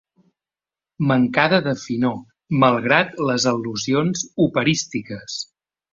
Mancada de finor, malgrat les al·lusions operístiques.